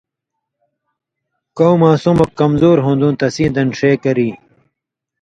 کؤں ماسُم اوک کمزُور ہُوݩدُوں تسیں دن ݜے کری